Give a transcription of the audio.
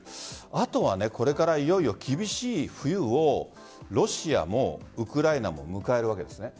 あとはこれからいよいよ厳しい冬をロシアもウクライナも迎えるわけです。